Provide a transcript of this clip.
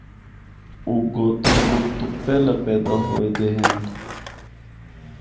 او گوتم بدھ تو پہلا پیدا ہویے دے ہن۔